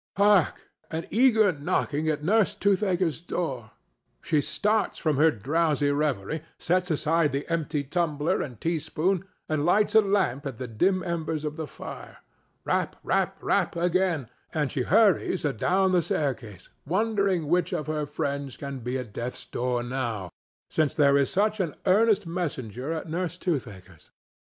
Hark! an eager knocking st Nurse Toothaker's door. She starts from her drowsy reverie, sets aside the empty tumbler and teaspoon, and lights a lamp at the dim embers of the fire. "Rap, rap, rap!" again, and she hurries adown the staircase, wondering which of her friends can be at death's door now, since there is such an earnest messenger at Nurse Toothaker's.